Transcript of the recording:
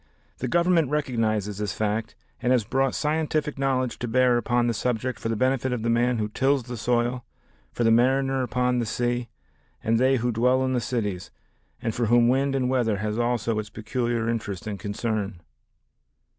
The Government recognizes this fact and has brought scientific knowledge to bear upon the subject for the benefit of the man who tills the soil, for the mariner upon the sea and they who dwell in the cities, and for whom wind and weather has also its peculiar interest and concern.